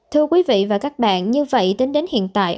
thưa quý vị và các bạn như vậy tính đến hiện tại